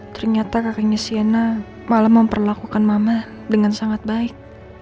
ternyata kakaknya siena malah memperlakukan mama dengan sangat baik